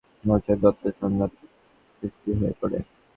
ফলে সকল প্রকারের বিশৃংখলা, অনাচার ও দ্বন্দ্ব-সংঘাত স্তিমিত হয়ে পড়ে।